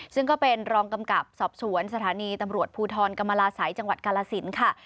ซึ่งก็เป็นรองกำกับสอบสวนสถานีตำรวจภูทรกรรมลาศัยจังหวัดกาลสินค่ะ